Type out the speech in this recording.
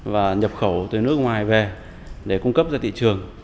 và nhập khẩu từ nước ngoài về để cung cấp ra thị trường